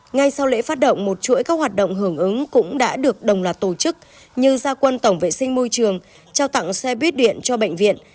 ngay sau lễ phát động một chuỗi các hoạt động hưởng ứng cũng đã được đồng lạc tổ chức như gia quân tổng vệ sinh môi trường trao tặng xe buýt điện cho bệnh viện